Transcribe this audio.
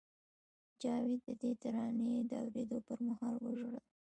جاوید د دې ترانې د اورېدو پر مهال وژړل